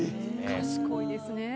賢いですね。